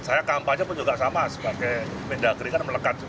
saya kampanye pun juga sama sebagai mendagri kan melekat